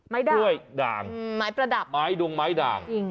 ไม้ด้วยด่างไม้ประดับดวงไม้ด่าง